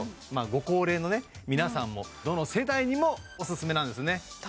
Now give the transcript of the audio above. ご高齢の皆さんもどの世代にもオススメなんですね